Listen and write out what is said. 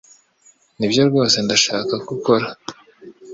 Nibyo rwose ndashaka ko ukora.